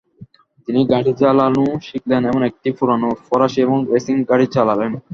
তিনি গাড়ি চালানো শিখলেন এবং একটি পুরানো ফরাসী রেসিং গাড়ি চালালেন।